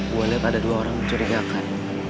gue lihat ada dua orang mencurigakan